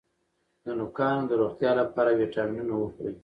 د نوکانو د روغتیا لپاره ویټامینونه وخورئ